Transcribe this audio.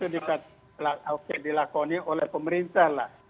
itu dilakoni oleh pemerintah lah